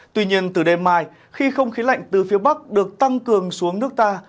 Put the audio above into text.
tuy nhiên từ đêm mai khi không khí lạnh từ phía bắc được tăng cường xuống nước ta